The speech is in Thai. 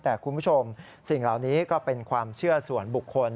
แต่คุณผู้ชมสิ่งเหล่านี้ก็เป็นความเชื่อส่วนบุคคล